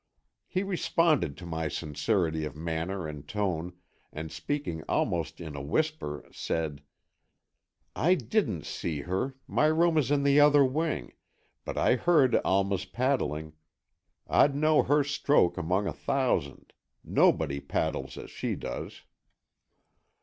He responded to my sincerity of manner and tone, and speaking almost in a whisper, said: "I didn't see her, my room is in the other wing, but I heard Alma's paddling. I'd know her stroke among a thousand. Nobody paddles as she does."